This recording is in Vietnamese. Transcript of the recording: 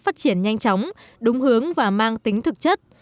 phát triển nhanh chóng đúng hướng và mang tính thực chất